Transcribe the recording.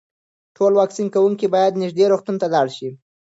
ټول واکسین کوونکي باید نږدې روغتون ته لاړ شي.